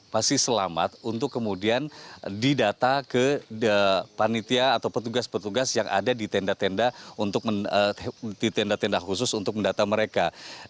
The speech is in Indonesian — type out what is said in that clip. masih selamat untuk kemudian didata ke panitia atau petugas petugas yang ada di tenda tenda khusus untuk mendata mereka